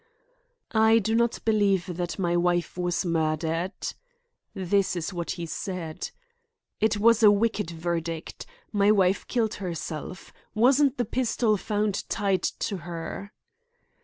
"I do not believe that my wife was murdered." This was what he said. "It was a wicked verdict. My wife killed herself. Wasn't the pistol found tied to her?"